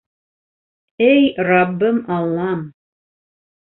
Эй раббым-аллам!